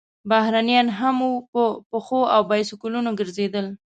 بهرنیان هم وو، په پښو او بایسکلونو ګرځېدل.